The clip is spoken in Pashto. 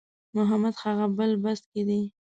محمد هغه بل بس کې دی.